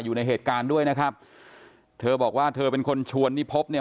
อยู่ในเหตุการณ์ด้วยนะครับเธอบอกว่าเธอเป็นคนชวนนิพบเนี่ย